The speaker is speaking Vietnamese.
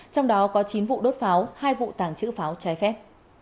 trong đó có chín vụ đốt pháo hai vụ tàng trữ pháo trái phép